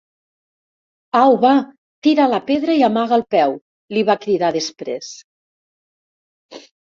Au va, tira la pedra i amaga el peu —li va cridar després.